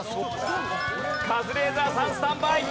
カズレーザーさんスタンバイ。